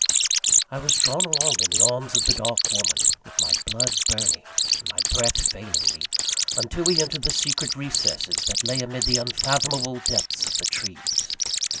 I was drawn along in the arms of the dark woman, with my blood burning and my breath failing me, until we entered the secret recesses that lay amid the unfathomable depths of trees.